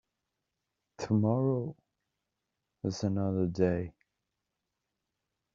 Tomorrow is another day.